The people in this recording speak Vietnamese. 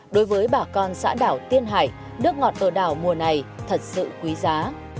đối với bà con xã đảo tiên hải nước ngọt ở đảo mùa này thật sự quý giá